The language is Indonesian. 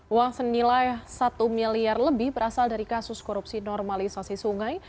uang senilai satu miliar lebih berasal dari kasus korupsi normalisasi sungai